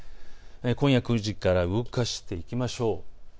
今夜９時から動かしていきましょう。